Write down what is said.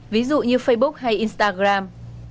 ví dụ như facebook hay instagram